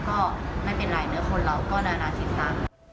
ก็ไม่เป็นไรเนื้อคนเราก็นานาจิตตังค์